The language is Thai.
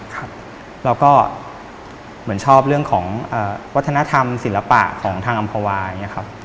แล้วก็เหมือนชอบเรื่องของวัฒนธรรมศิลปะของทางอำภาวะ